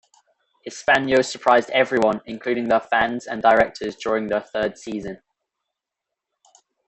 Hispano surprised everyone including their fans and directors during their third season.